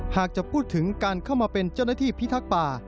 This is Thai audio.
หากจะพูดถึงการเข้ามาเป็นเจ้าหน้าที่พิทักษ์ป่า